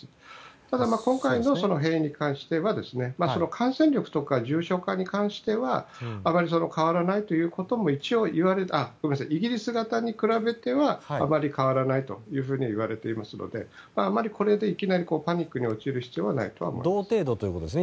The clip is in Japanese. ただ、今回その変異に関しては感染力とか重症化に関してはイギリス型に比べてはあまり変わらないというふうにいわれていますのであまり、これでいきなりパニックに陥る必要はないとは思いますね。